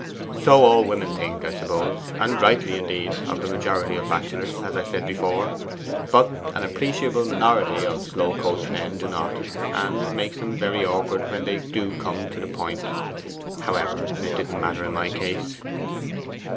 'So all women think, I suppose and rightly, indeed, of the majority of bachelors, as I said before. But an appreciable minority of slow coach men do not and it makes them very awkward when they do come to the point. However, it didn't matter in my case.